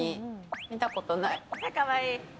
見たことない。